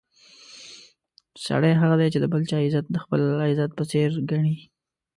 سړی هغه دی چې د بل چا عزت د خپل عزت په څېر ګڼي.